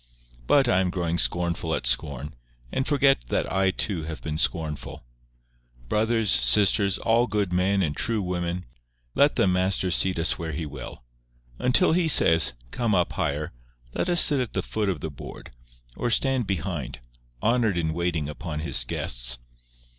But I am growing scornful at scorn, and forget that I too have been scornful. Brothers, sisters, all good men and true women, let the Master seat us where He will. Until he says, "Come up higher," let us sit at the foot of the board, or stand behind, honoured in waiting upon His guests.